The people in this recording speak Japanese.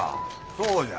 そうじゃ。